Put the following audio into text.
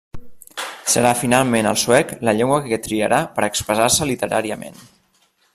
Serà finalment el suec la llengua que triarà per expressar-se literàriament.